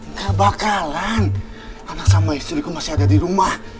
nggak bakalan anak sama istriku masih ada di rumah